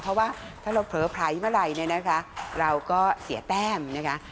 เพราะว่าถ้าเราเผลอไพรเมื่อไหร่เนี่ยนะคะเราก็เสียแต้มนะคะ